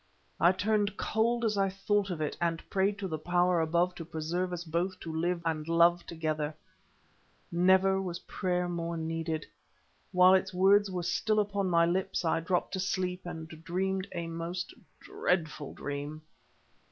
I turned cold as I thought of it, and prayed to the Power above to preserve us both to live and love together. Never was prayer more needed. While its words were still upon my lips I dropped asleep and dreamed a most dreadful dream.